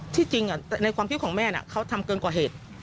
ที่จริงในความคิดของแม่เขาทำเกินกว่าเหตุ